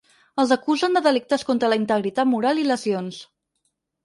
Els acusen de delictes contra la integritat moral i lesions.